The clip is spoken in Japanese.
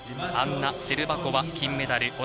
アンナ・シェルバコワ金メダル。